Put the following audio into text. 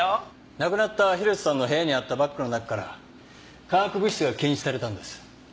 亡くなった広瀬さんの部屋にあったバッグの中から化学物質が検出されたんです。